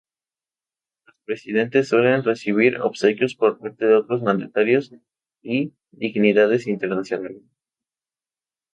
Los presidentes suelen recibir obsequios por parte de otros mandatarios y dignidades internacionales.